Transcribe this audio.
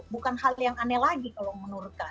bukan hal yang aneh lagi kalau menurut kami